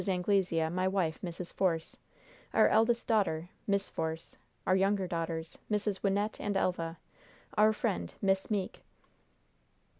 Anglesea, my wife, Mrs. Force; our eldest daughter, Miss Force; our younger daughters, Misses Wynnette and Elva; our friend, Miss Meeke."